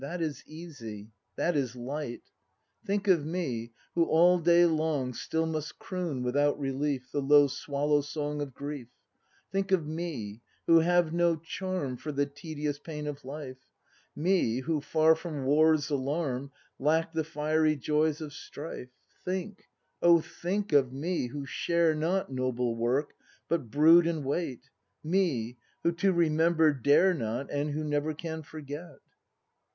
That is easy, that is light; Think of me, who, all day long. Still must croon without relief The low swallow song of grief; Think of me, who have no charm For the tedious pain of life; Me, who, far from war's alarm, Lack the fiery joys of strife: Think, oh think, of me, who share not Noble work, but brood and wait; Me, who to remember dare not, And who never can forget!